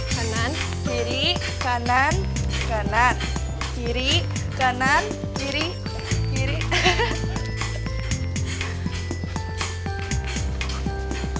kanan kiri kanan kanan kiri kanan kiri kiri